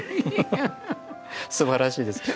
すばらしいです。